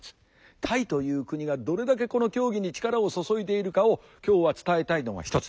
タイという国がどれだけこの競技に力を注いでいるかを今日は伝えたいのが一つ。